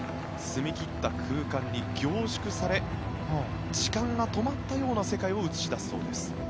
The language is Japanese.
澄み切った空間に凝縮され時間が止まったような世界を映し出すそうです。